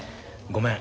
ごめん。